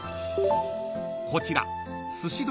［こちら］